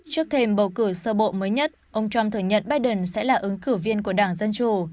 trước thêm bầu cử sơ bộ mới nhất ông trump thừa nhận biden sẽ là ứng cử viên của đảng dân chủ